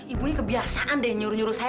ibu ini kebiasaan deh nyuruh nyuruh saya